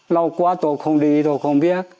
lâu quá tôi không đi tôi không biết